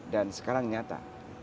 dan sekarang nyata